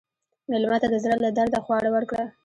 مېلمه ته د زړه له درده خواړه ورکړه.